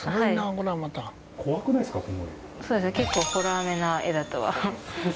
そうですね結構ホラーめな絵だと。